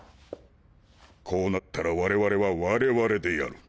こうなったら我々は我々でやる。